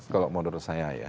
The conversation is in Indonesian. kalau menurut saya ya